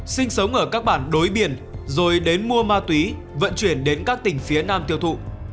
sinh sống ở các bản đối biển rồi đến mua ma túy vận chuyển đến các tỉnh phía nam tiêu thụ